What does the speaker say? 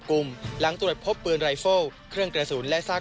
จอบประเด็นจากรายงานของคุณศักดิ์สิทธิ์บุญรัฐครับ